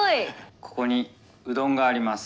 ここにうどんがあります。